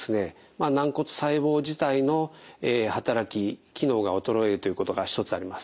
軟骨細胞自体の働き機能が衰えるということが一つあります。